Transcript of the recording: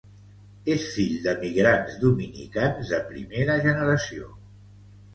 És fill d'emigrants dominicans de primera generació.